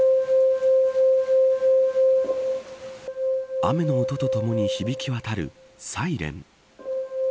雨の音とともに響きわたるサイレン。